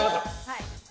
はい。